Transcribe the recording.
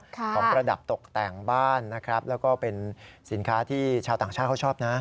ของประดับตกแต่งบ้านนะครับแล้วก็เป็นสินค้าที่ชาวต่างชาติเขาชอบนะ